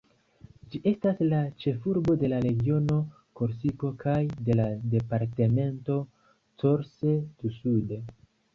Ĝi estas la ĉefurbo de la regiono Korsiko kaj de la departemento Corse-du-Sud.